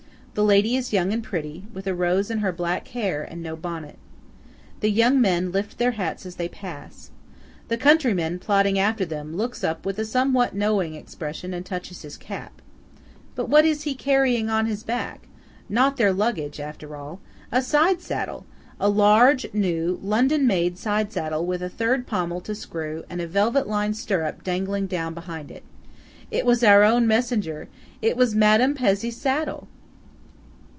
The lady is young and pretty, with a rose in her black hair, and no bonnet. The young men lift their hats as they pass. The countryman, plodding after them, looks up with a somewhat knowing expression and touches his cap. But what is he carrying on his back? Not their luggage, after all. A side saddle! A large, new, London made side saddle, with a third pommel to screw, and a velvet lined stirrup dangling down behind. It was our own messenger–it was Madame Pezzé's saddle!